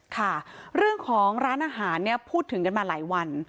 ค่ะเรื่องของร้านอาหารเนี่ยพูดถึงกันมาหลายวัน